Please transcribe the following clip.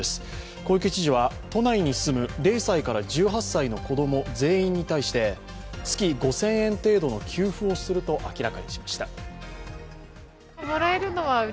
小池知事は都内に住む０歳から１８歳の子供全員に対して月５０００円程度の給付をすると明らかにしました。